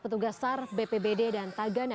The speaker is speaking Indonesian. petugas sar bpbd dan tagana